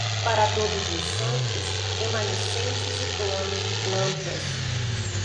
Para Todos os Santos, remanescentes e planos de plantas.